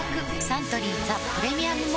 サントリー「ザ・プレミアム・モルツ」